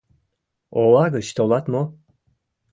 — Ола гыч толат мо?